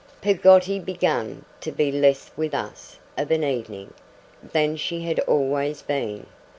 Peggotty began to be less with us, of an evening, than she had always been.